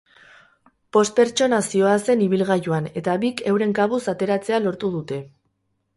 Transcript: Bost pertsona zihoazen ibilgailuan, eta bik euren kabuz ateratzea lortu dute.